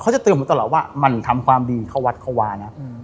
จะเตือนผมตลอดว่ามันทำความดีเข้าวัดเข้าวานะ